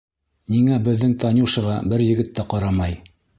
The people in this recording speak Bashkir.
Ниңә беҙҙең Танюшаға бер егет тә ҡарамай?